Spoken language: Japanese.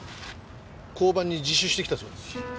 交番に自首してきたそうです。